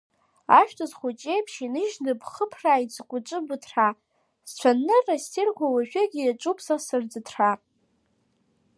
Ажәҵыс хәыҷ еиԥш иныжьны бхыԥрааит сгәаҿ быҭра, сцәанырра ссирқәа уажәыгь иаҿуп са сырӡыҭра.